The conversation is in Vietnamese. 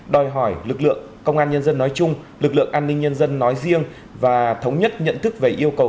đòi hỏi lực lượng công an nhân dân nói chung lực lượng an ninh nhân dân nói riêng và thống nhất nhận thức về yêu cầu